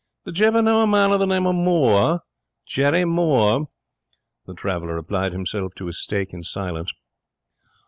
'Did you ever know a man of the name of Moore? Jerry Moore?' The traveller applied himself to his steak in silence.